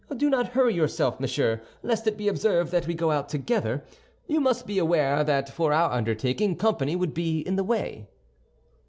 "Do not hurry yourself, monsieur, lest it be observed that we go out together. You must be aware that for our undertaking, company would be in the way."